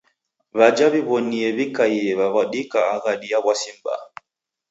W'aja w'iw'onie w'ikaie w'aw'adika aghadi ya w'asi m'baa.